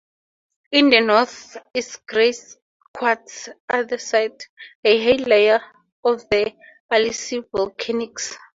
In the north is grey quartz andesite, a higher layer of the Ainslie Volcanics.